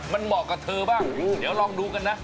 มันเหมาะกับเธอบ้างเดี๋ยวลองดูกันนะ